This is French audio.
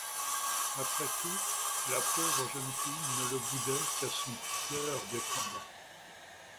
Après tout, la pauvre jeune fille ne le boudait qu'à son coeur défendant.